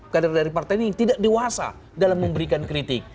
kader dari partai ini yang tidak dewasa dalam memberikan kritik